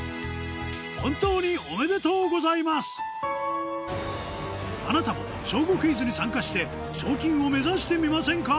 本当におめでとうございますあなたも『小５クイズ』に参加して賞金を目指してみませんか？